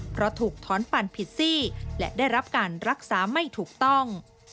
เพราะถูกถอนปั่นผิดซี่และได้รับการรักษาไม่ถูกต้อง